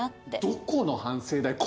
どこの反省だよ！